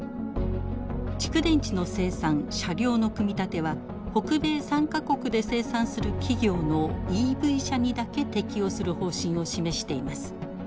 蓄電池の生産車両の組み立ては北米３か国で生産する企業のＥＶ車にだけ適用する方針を示しています。